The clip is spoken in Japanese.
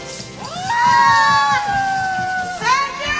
センキュー！